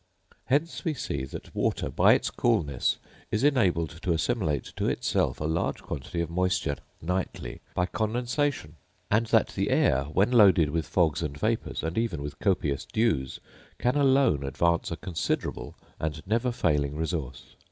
Hence we see that water, by its coolness, is enabled to assimilate to itself a large quantity of moisture nightly by condensation; and that the air, when loaded with fogs and vapours, and even with copious dews, can alone advance a considerable and never failing resource.